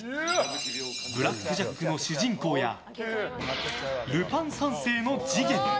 「ブラック・ジャック」の主人公や「ルパン三世」の次元。